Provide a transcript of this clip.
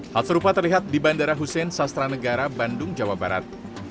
hal serupa terlihat di bandara hussein sastra negara bandung jawa barat